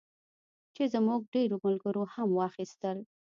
چې زموږ ډېرو ملګرو هم واخیستل.